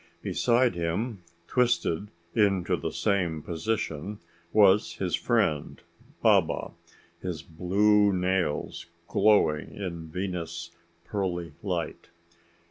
Beside him, twisted into the same position, was his friend Baba, his blue nails glowing in Venus' pearly light.